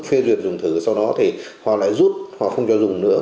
phê duyệt dùng thử sau đó thì họ lại rút họ không cho dùng nữa